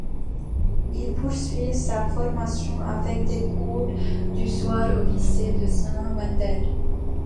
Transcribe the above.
Il poursuit sa formation avec des cours du soir au Lycée de St Wendel.